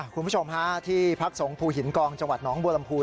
คุณผู้ชมฮะที่พักสงภูหินกองจังหวัดหนองบัวลำพู